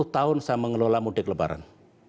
sepuluh tahun saya mengelola mudik lebaran